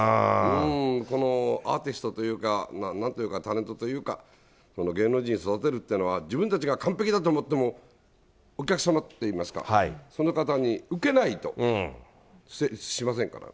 このアーティストというか、なんというか、タレントというか、この芸能人を育てるというのは、自分たちが完璧だと思っても、お客様っていいますか、その方に受けないと成立しませんからね。